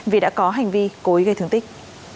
vì đã có hành vi cối gây thương tích